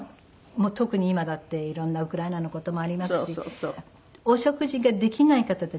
もう特に今だっていろんなウクライナの事もありますしお食事ができない方たちがたくさんいらっしゃる。